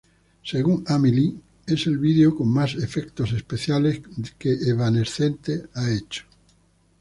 Según Amy Lee, es el vídeo con más efectos especiales que Evanescence ha hecho.